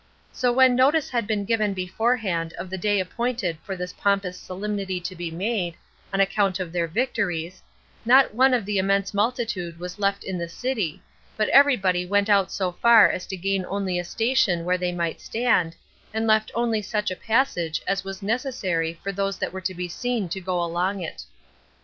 So when notice had been given beforehand of the day appointed for this pompous solemnity to be made, on account of their victories, not one of the immense multitude was left in the city, but every body went out so far as to gain only a station where they might stand, and left only such a passage as was necessary for those that were to be seen to go along it.